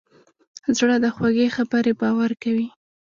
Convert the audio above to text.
زړه د خوږې خبرې باور کوي.